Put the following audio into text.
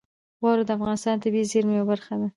واوره د افغانستان د طبیعي زیرمو یوه برخه ده.